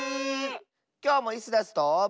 きょうもイスダスと。